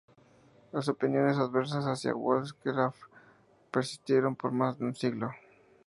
Las opiniones adversas hacia Wollstonecraft persistieron por más de un siglo.